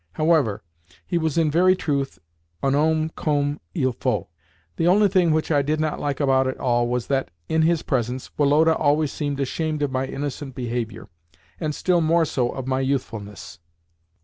However, he was in very truth un homme comme il faut. The only thing which I did not like about it all was that, in his presence, Woloda always seemed ashamed of my innocent behaviour, and still more so of my youthfulness.